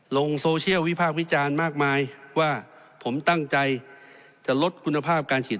ลงโซเชียลวิพากษ์วิจารณ์มากมายว่าผมตั้งใจจะลดคุณภาพการฉีด